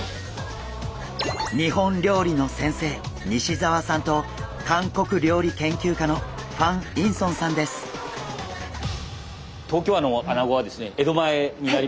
日本料理の先生西澤さんと韓国料理研究家のファン・インソンさんです。